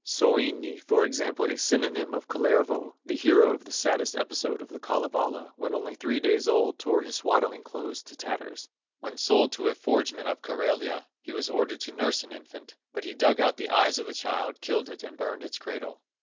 Soini, for example, a synonym of Kullervo, the hero of the saddest episode of the Kalevala when only three days old, tore his swaddling clothes to tatters. When sold to a forgeman of Karelia, he was ordered to nurse an infant, but he dug out the eyes of the child, killed it, and burned its cradle.